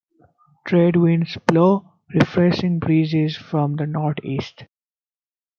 Trade winds blow refreshing breezes from the northeast.